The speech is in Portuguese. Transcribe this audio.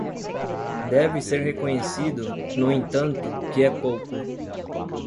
Deve ser reconhecido, no entanto, que é pouco.